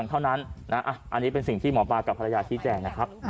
อันนี้เป็นสิ่งที่หมอปลากับภรรยาชิ้นแจงนะครับ